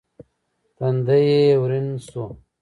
تندی يې ورين شو.